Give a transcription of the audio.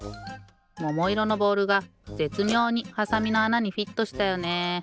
ももいろのボールがぜつみょうにはさみのあなにフィットしたよね。